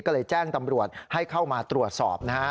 ก็เลยแจ้งตำรวจให้เข้ามาตรวจสอบนะฮะ